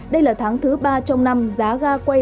đây là tháng thứ ba trong năm giá ga quay